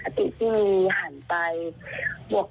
หนูรู้สึกว่าหนูเฟลมาก